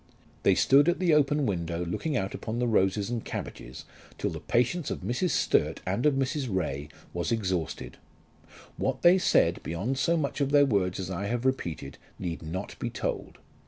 They stood at the open window looking out upon the roses and cabbages till the patience of Mrs. Sturt and of Mrs. Ray was exhausted. What they said, beyond so much of their words as I have repeated, need not be told.